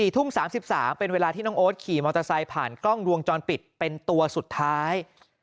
ทุ่ม๓๓เป็นเวลาที่น้องโอ๊ตขี่มอเตอร์ไซค์ผ่านกล้องวงจรปิดเป็นตัวสุดท้าย